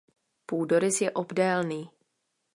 Půdorys je obdélný.